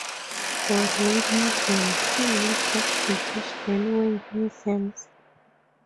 For rail museums, see "List of British railway museums".